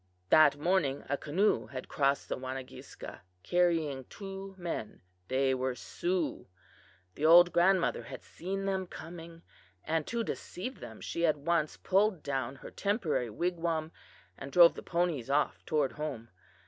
That morning a canoe had crossed the Wanagiska carrying two men. They were Sioux. The old grandmother had seen them coming, and to deceive them she at once pulled down her temporary wigwam, and drove the ponies off toward home.